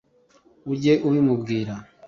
ujye ubimubwira